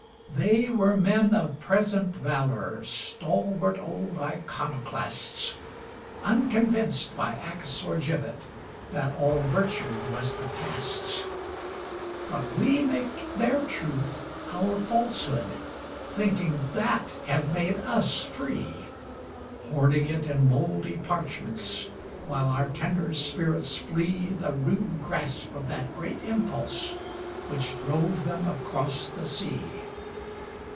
They were men of present valor, stalwart old iconoclasts, Unconvinced by axe or gibbet that all virtue was the Past's; But we make their truth our falsehood, thinking that hath made us free, Hoarding it in mouldy parchments, while our tender spirits flee The rude grasp of that great Impulse which drove them across the sea.